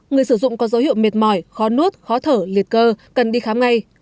người sử dụng có dấu hiệu mệt mỏi khó nuốt khó thở liệt cơ cần đi khám ngay